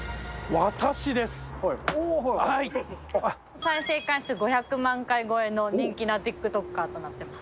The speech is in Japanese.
再生回数５００万回超えの人気なティックトッカーとなってます。